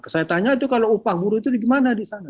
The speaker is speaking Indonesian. saya tanya itu kalau upah buruh itu di mana di sana